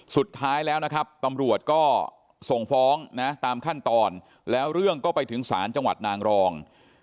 สุดท้ายแล้วนะครับตำรวจก็ส่งฟ้องนะตามขั้นตอนแล้วเรื่องก็ไปถึงศาลจังหวัดนางรอง